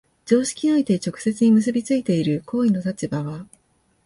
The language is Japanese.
常識において直接に結び付いている行為の立場は、